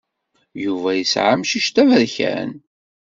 Yuba yesɛa amcic d aberkan.